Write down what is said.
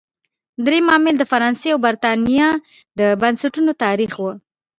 درېیم عامل د فرانسې او برېټانیا د بنسټونو تاریخ و.